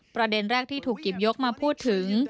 ประเด็นแรกที่ถูกหยิบยกมาพูดถึง